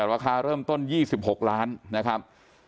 ราคาเริ่มต้น๒๖ล้านนะครับ